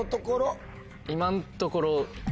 今んところ。